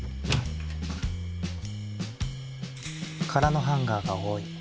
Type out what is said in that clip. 空のハンガーが多い。